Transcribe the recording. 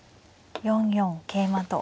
４四桂馬と。